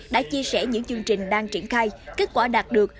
đã chia sẻ những chương trình đang triển khai kết quả đạt được